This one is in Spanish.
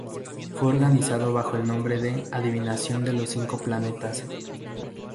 Fue organizado bajo el nombre de Adivinación de los cinco planetas.